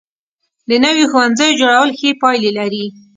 د نویو ښوونځیو جوړول ښې پایلې لري.